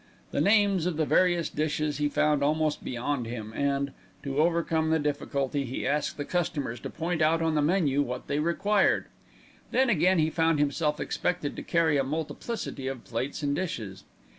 The names of the various dishes he found almost beyond him and, to overcome the difficulty, he asked the customers to point out on the menu what they required. Then again he found himself expected to carry a multiplicity of plates and dishes.